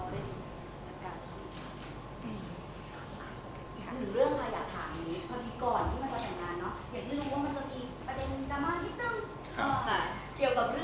เราก็ดูแลตัวเองได้ดี